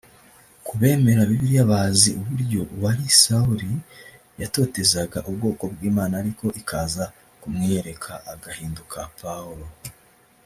Ku bemera Bibiliya bazi uburyo uwari Sawuli yatotezaga ubwoko bw’Imana ariko ikaza kumwiyereka agahinduka Pawulo